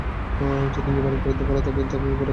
যদি নিবারণ করিতে পার, তবেই তোমার বৈরাগ্য আছে, বুঝা যাইবে।